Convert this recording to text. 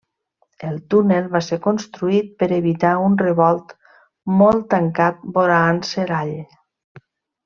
El túnel va ser construït per evitar un revolt molt tancat vora Anserall.